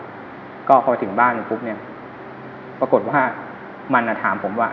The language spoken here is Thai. ก็เข้าไปถึงบ้านกันปุ๊บเนี่ยปรากฏว่ามันอ่ะถามผมว่า